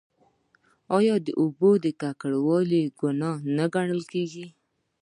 آیا د اوبو ککړول ګناه نه ګڼل کیږي؟